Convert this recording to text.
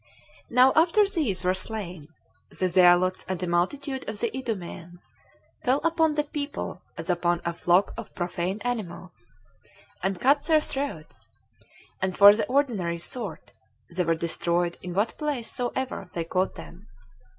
3. Now after these were slain, the zealots and the multitude of the Idumeans fell upon the people as upon a flock of profane animals, and cut their throats; and for the ordinary sort, they were destroyed in what place soever they caught them.